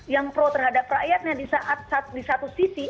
yang pro terhadap rakyatnya di satu sisi